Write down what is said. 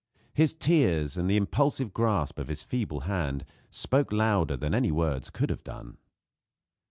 His tears, and the impulsive grasp of his feeble hand, spoke louder than any words could have done.